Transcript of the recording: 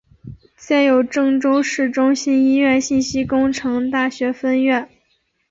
建有郑州市中心医院信息工程大学分院。